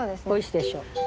おいしいでしょう。